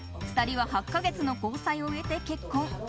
２人は８か月の交際を経て結婚。